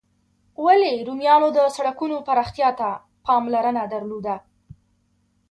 ولي رومیانو د سړکونو پراختیا ته پاملرنه درلوده؟